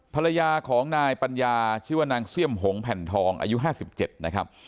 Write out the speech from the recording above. ภรรยาของนายปัญญาชื่อว่านางเสี่ยมหงแผ่นทองอายุ๕๗นะครับ